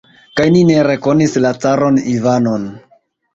Kaj ni ne rekonis la caron Ivanon!